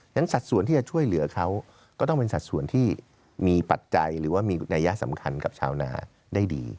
ฉัดส่วนที่จะช่วยเหลือเขาก็ต้องเป็นสัดส่วนที่มีปัจจัยหรือว่ามีนัยสำคัญกับชาวนาได้ดี